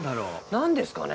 何ですかね？